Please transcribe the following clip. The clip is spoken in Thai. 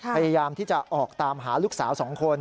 พยายามที่จะออกตามหาลูกสาว๒คน